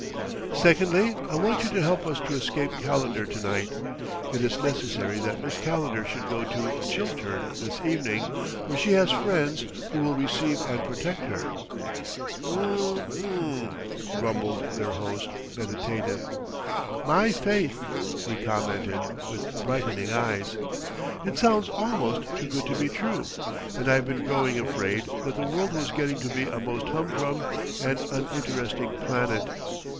"Secondly, I want you to help us to escape Calendar to night. It is necessary that Miss Calendar should go to Chiltern this evening, where she has friends who will receive and protect her." "Mm mm," grumbled their host, meditative. "My faith!" he commented, with brightening eyes. "It sounds almost too good to be true! And I've been growing afraid that the world was getting to be a most humdrum and uninteresting planet!...